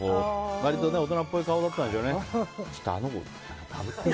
割と大人っぽい顔だったんでしょうね。